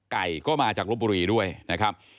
ก็มาจากลบบุรีด้วยนะครับ